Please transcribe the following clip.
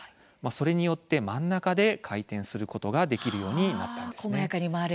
それによって真ん中で回転することができるようになりました。